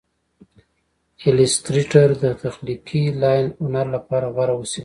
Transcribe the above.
ایلیسټریټر د تخلیقي لاین هنر لپاره غوره وسیله ده.